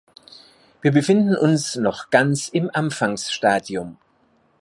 Wir befinden uns noch ganz im Anfangsstadium.